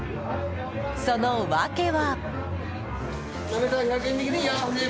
その訳は。